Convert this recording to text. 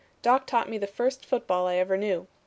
Doc taught me the first football I ever knew.